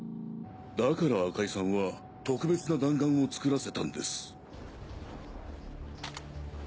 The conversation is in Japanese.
だから赤井さんは特別な弾丸を作らせたんです。